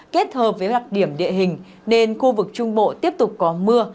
kết hợp với đặc điểm địa hình nên khu vực trung bộ tiếp tục có mưa